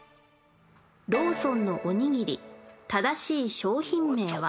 ローソンのおにぎり正しい商品名は？